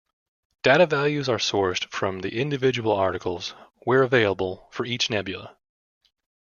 Data values are sourced from the individual articles, where available, for each nebula.